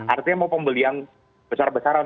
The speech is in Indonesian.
artinya mau pembelian besar besaran